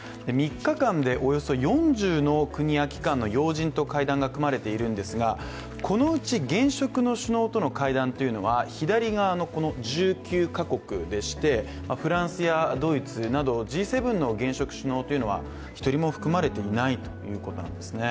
３日間でおよそ４０の国や機関の要人との会談が組まれているんですがこのうち現職の首脳との会談は左側の１９か国でしてフランスやドイツなどＧ７の現職首脳は一人も含まれていないんですね。